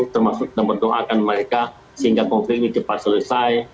termasuk kita mendoakan mereka sehingga konflik ini cepat selesai